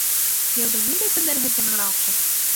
Йылдың ниндәй көндәре һеҙгә нығыраҡ оҡшай?